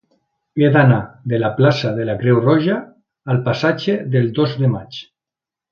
He d'anar de la plaça de la Creu Roja al passatge del Dos de Maig.